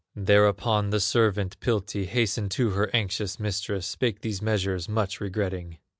Thereupon the servant, Piltti, Hastened to her anxious mistress, Spake these measures, much regretting.